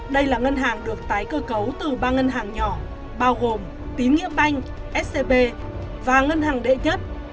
đây là ngân hàng được tái cơ cấu từ ba ngân hàng nhỏ bao gồm tín nghĩa bank scb và ngân hàng đệ nhất